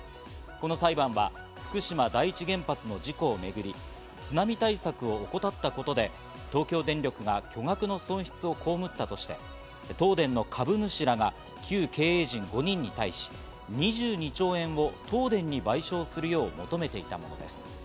この裁判は福島第一原発の事故をめぐり、津波対策を怠ったことで東京電力が巨額の損失をこうむったとして、東電の株主らが旧経営陣５人に対し、２２兆円を東電に賠償するよう求めていたものです。